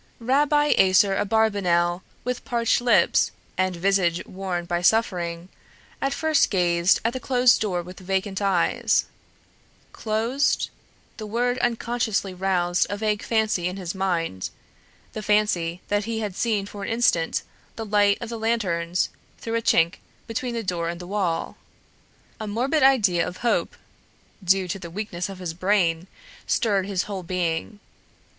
Rabbi Aser Abarbanel, with parched lips and visage worn by suffering, at first gazed at the closed door with vacant eyes. Closed? The word unconsciously roused a vague fancy in his mind, the fancy that he had seen for an instant the light of the lanterns through a chink between the door and the wall. A morbid idea of hope, due to the weakness of his brain, stirred his whole being.